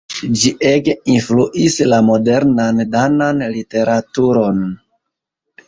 Ĝi ege influis la modernan danan literaturon.